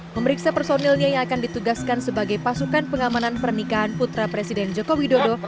memeriksa personilnya yang akan ditugaskan sebagai pasukan pengamanan pernikahan putra presiden joko widodo